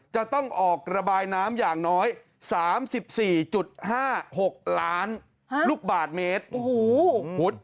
จะต้องออกระบายน้ำอย่างน้อย๓๔๕๖ล้านลูกบาทเมตร